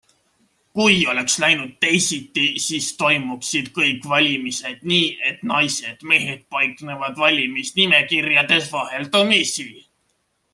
Kui oleks läinud teisiti, siis toimuksid kõik valimised nii, et naised-mehed paiknevad valimisnimekirjades vaheldumisi.